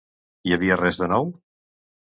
Hi havia res de nou?